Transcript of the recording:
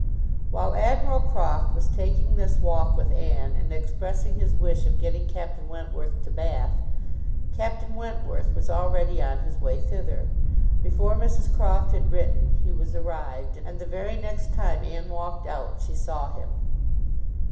While Admiral Croft was taking this walk with Anne, and expressing his wish of getting Captain Wentworth to Bath, Captain Wentworth was already on his way thither. Before Mrs Croft had written, he was arrived, and the very next time Anne walked out, she saw him.